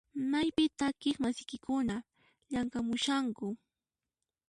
Maypin takiq masiykikuna llamk'amushanku?